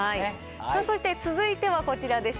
そして続いてはこちらです。